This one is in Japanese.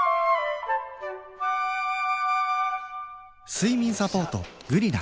睡眠サポート「グリナ」